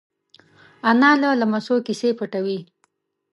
انا له لمسيو کیسې پټوي